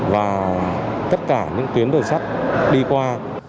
và tất cả những tuyến đường sát đi qua